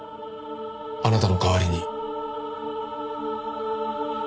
あなたの代わりに。